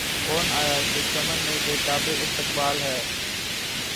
کون آیا‘ جو چمن بے تابِ استقبال ہے!